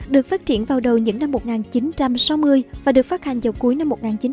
được phát triển vào đầu những năm một nghìn chín trăm sáu mươi và được phát hành vào cuối năm một nghìn chín trăm bảy mươi